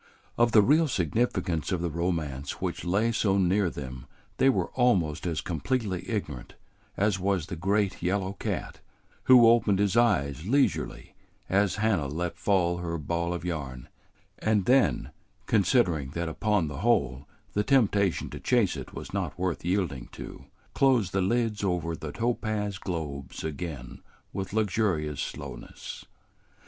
Of the real significance of the romance which lay so near them they were almost as completely ignorant as was the great yellow cat, who opened his eyes leisurely as Hannah let fall her ball of yarn, and then, considering that upon the whole the temptation to chase it was not worth yielding to, closed the lids over the topaz globes again with luxurious slowness.